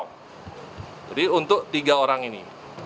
jadi untuk tiga orang ini